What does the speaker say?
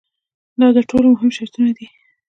دا تر ټولو مهم شرطونه دي.